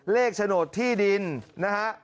เลขโฉดที่ดินนะฮะ